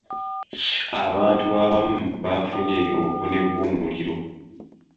Abantu abamu baafunye obuvune bw'omuliro.